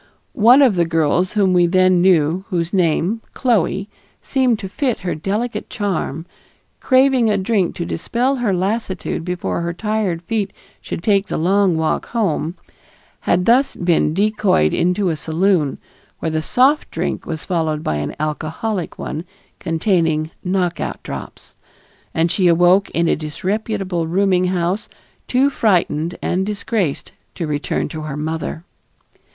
One of the girls whom we then knew, whose name, Chloe, seemed to fit her delicate charm, craving a drink to dispel her lassitude before her tired feet should take the long walk home, had thus been decoyed into a saloon, where the soft drink was followed by an alcoholic one containing "knockout drops," and she awoke in a disreputable rooming house too frightened and disgraced to return to her mother.